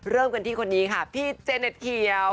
เริ่มกันที่คนนี้ค่ะพี่เจเน็ตเขียว